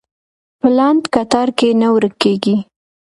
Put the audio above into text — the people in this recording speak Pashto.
په لنډ کتار کې نه ورکېږي.